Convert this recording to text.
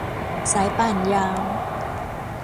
สายป่านยาว